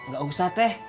gak usah teh